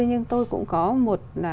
nhưng tôi cũng có một